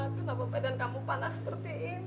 kenapa badan kamu panas seperti ini